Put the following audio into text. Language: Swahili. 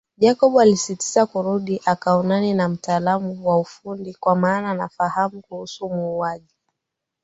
Jacob alisisitiza kurudi akaonane na mtaalamu wa ufundi kwa maana anafahamu kuhusu muuaji